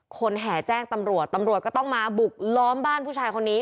แห่แจ้งตำรวจตำรวจก็ต้องมาบุกล้อมบ้านผู้ชายคนนี้